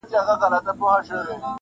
عدالت بايد رامنځته سي ژر,